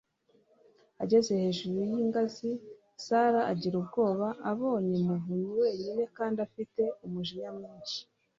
Ageze hejuru y'ingazi, Sarah agira ubwoba, abonye Muvunyi wenyine kandi afite umujinya mwinshi